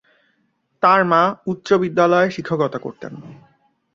তার মা উচ্চ বিদ্যালয়ে শিক্ষকতা করতেন।